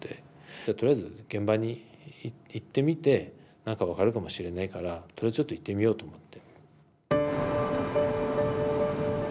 とりあえず現場に行ってみて何か分かるかもしれないからとりあえずちょっと行ってみようと思って。